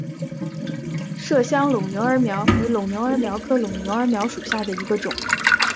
麝香尨牛儿苗为牻牛儿苗科牻牛儿苗属下的一个种。